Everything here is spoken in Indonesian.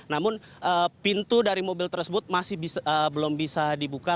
namun pintu dari mobil tersebut masih belum bisa dibuka